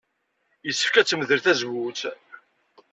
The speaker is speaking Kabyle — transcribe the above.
Yessefk ad temdel tazewwut?